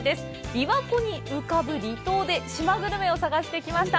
琵琶湖に浮かぶ離島で島グルメを探してきました。